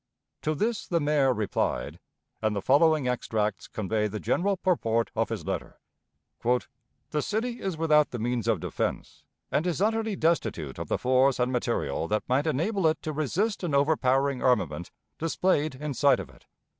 To this the Mayor replied, and the following extracts convey the general purport of his letter: "The city is without the means of defense, and is utterly destitute of the force and material that might enable it to resist an overpowering armament displayed in sight of it.